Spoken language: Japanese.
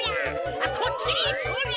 あっこっちにそりゃ！